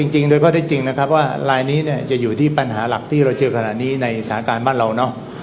จริงและใช่จริงว่าลายนี้จะอยู่ที่ปัญหาหลักที่เราเจอกันหน่อยในส่างาบ้านเราเนาะ